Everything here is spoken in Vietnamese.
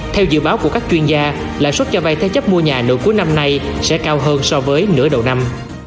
theo dự báo của các chuyên gia lãi suất cho vay theo chấp mua nhà nổi cuối năm này sẽ cao hơn so với nửa đầu năm